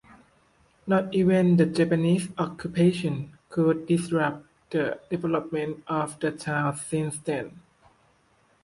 Not even the Japanese occupation could disrupt the development of the town since then.